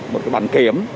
một cái bảng kiểm